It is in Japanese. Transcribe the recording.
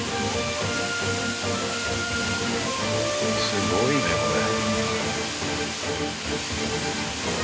すごいねこれ。